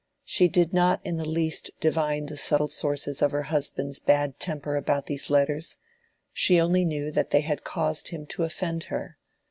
She did not in the least divine the subtle sources of her husband's bad temper about these letters: she only knew that they had caused him to offend her.